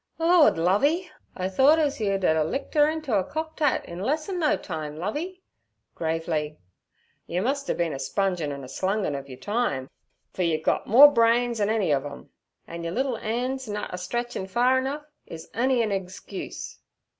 'Lord, Lovey! I thart ez yer'd a licked 'er inter a cockt 'at in less en no time. Lovey'—gravely—'yer mus' a bin a spongin' and a slungin' ov yer time, fer yer gut more brains 'n any of 'em, an' yer liddle 'an's nut a stretchin' far enough is on'y a egscuse.'